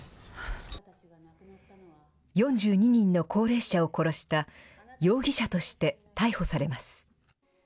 ４２人の高齢者を殺した容疑者として逮捕されます。